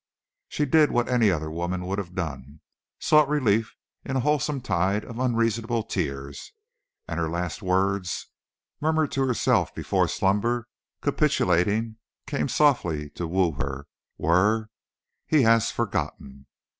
She did what any other woman would have done—sought relief in a wholesome tide of unreasonable tears, and her last words, murmured to herself before slumber, capitulating, came softly to woo her, were "He has forgotten."